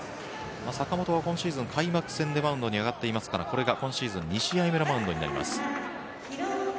坂本は今シーズン開幕戦でマウンドに上がっていますからこれが今シーズン２試合目のマウンドになります。